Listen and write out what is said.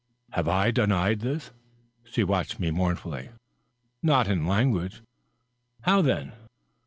"Have I denied this?" She watched me mournfully. " Not in language." "How, then?"